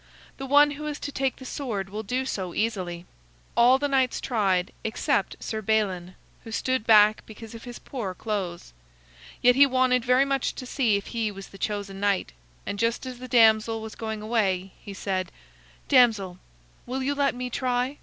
"The one who is to take the sword will do so easily." All the knights tried except Sir Balin, who stood back because of his poor clothes. Yet he wanted very much to see if he was the chosen knight, and just as the damsel was going away, he said: "Damsel, will you let me try?